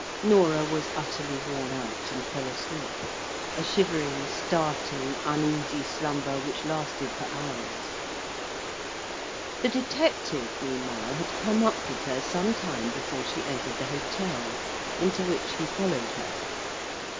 Norah was utterly worn out, and fell asleep—a shivering, starting, uneasy slumber, which lasted for hours. The detective, meanwhile, had come up with her some time before she entered the hotel, into which he followed her.